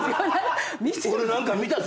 俺何か見たぞ。